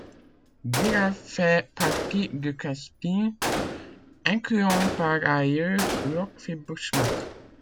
Guirat fait partie du casting incluant par ailleurs Lotfi Bouchnak.